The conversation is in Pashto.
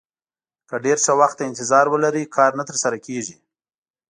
که ډېر ښه وخت ته انتظار ولرئ کار نه ترسره کېږي.